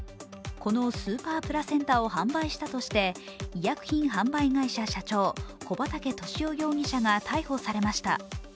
このスーパープラセンタを販売したとして医薬品販売会社社長、小畠俊雄容疑者が逮捕されました。